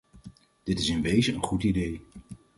Dit is in wezen een goed idee.